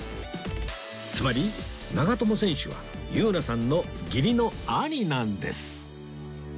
つまり長友選手は祐奈さんの義理の兄なんです